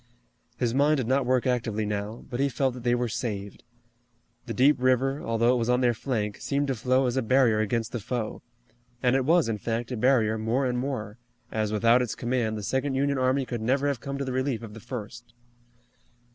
His mind did not work actively now, but he felt that they were saved. The deep river, although it was on their flank, seemed to flow as a barrier against the foe, and it was, in fact, a barrier more and more, as without its command the second Union army could never have come to the relief of the first.